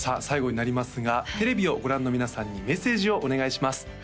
最後になりますがテレビをご覧の皆さんにメッセージをお願いします